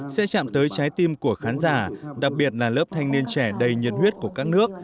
sẽ chạm tới trái tim của khán giả đặc biệt là lớp thanh niên trẻ đầy nhiệt huyết của các nước